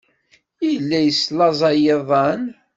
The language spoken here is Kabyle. Yella yeslaẓay iḍan.